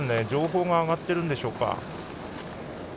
情報が上がっているんでしょうか。